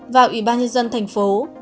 và ủy ban dân dân tp hcm